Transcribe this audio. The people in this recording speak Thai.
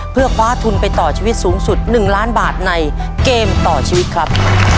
เพื่อคว้าทุนไปต่อชีวิตสูงสุด๑ล้านบาทในเกมต่อชีวิตครับ